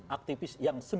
aktivis yang sembilan puluh an